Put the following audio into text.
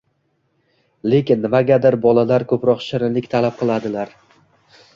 lekin nimagadir bolalar ko‘proq shirinlik talab qiladilar.